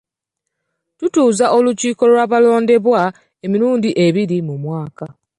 Tutuuza olukiiko lw'abalondebwa emirundi ebiri mu mwaka.